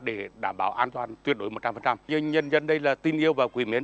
để đảm bảo an toàn tuyệt đối một trăm linh nhân dân đây là tin yêu và quyền miến